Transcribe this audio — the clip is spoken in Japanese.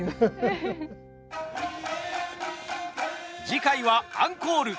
次回はアンコール。